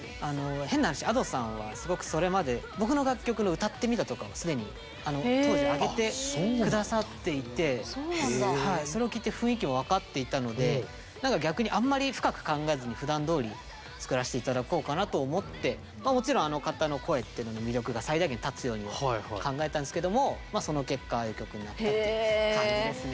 変な話Ａｄｏさんはすごくそれまで僕の楽曲の歌ってみたとかを既に当時上げて下さっていてそれを聴いて雰囲気も分かっていたので何か逆にあんまり深く考えずにふだんどおり作らして頂こうかなと思ってもちろんあの方の声っていうのの魅力が最大限立つようにも考えたんですけどもまあその結果ああいう曲になったっていう感じですね。